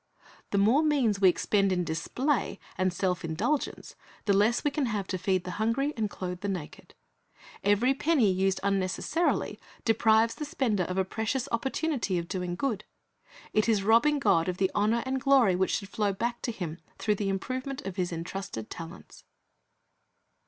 The more means we expend in display and self indulgence, the less we can have to feed the hungry and clothe the naked. Every penny used unnecessarily deprives the spender of a precious opportunity of doing good. It is robbing God of the honor and glory which should flow back to Him through the improvement of His entrusted talents.